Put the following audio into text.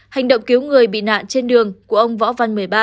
hành động cứu người bị nạn trên đường của ông võ văn một mươi ba